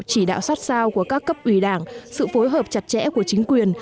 chỉ đạo sát sao của các cấp ủy đảng sự phối hợp chặt chẽ của chính quyền